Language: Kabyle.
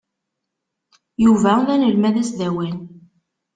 Yuba d anelmad asdawan.